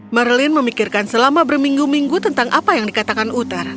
merlin memikirkan selama berminggu minggu tentang apa yang dikatakan uther